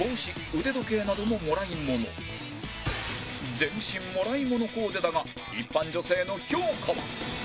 全身もらい物コーデだが一般女性の評価は？